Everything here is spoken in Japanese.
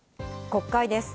国会です。